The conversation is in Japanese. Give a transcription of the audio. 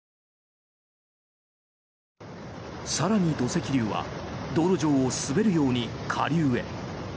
更に、土石流は道路上を滑るように下流へ。